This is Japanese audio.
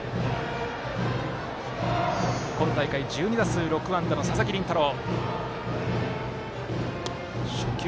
今大会１２打数６安打の佐々木麟太郎。